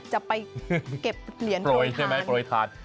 จะไปเก็บเหรียญโปรยใช่ไหมโปรยทาน